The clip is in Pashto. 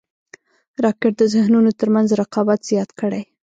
راکټ د ذهنونو تر منځ رقابت زیات کړی